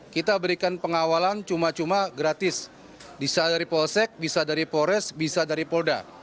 kita berikan pengawalan cuma cuma gratis bisa dari polsek bisa dari polres bisa dari polda